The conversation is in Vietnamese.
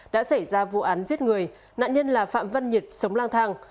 đã xảy ra vụ án giết người nạn nhân là phạm văn nhật sống lang thang